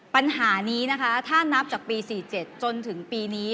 ปัญหานี้นะคะถ้านับจากปี๔๗จนถึงปีนี้